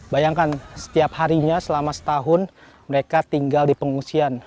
bayangkan setiap harinya selama setahun mereka tinggal di pengungsian